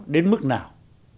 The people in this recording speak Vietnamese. đến mức nào